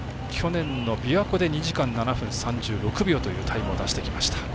去年のびわ湖で２時間７分３６秒というタイムを出してきました。